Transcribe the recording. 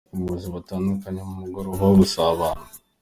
Abayobozi batandukanye mu mugoroba wo gusabana.